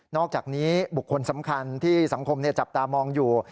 อกจากนี้บุคคลสำคัญที่สังคมจับตามองอยู่